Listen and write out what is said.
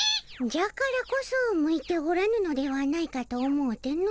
じゃからこそ向いておらぬのではないかと思うての。